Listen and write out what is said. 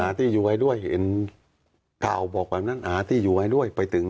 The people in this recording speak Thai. หาที่อยู่ให้ด้วยเห็นกล่าวบอกแบบนั้นหาที่อยู่ให้ด้วย